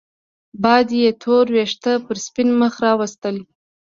باد يې تور وېښته پر سپين مخ راوستل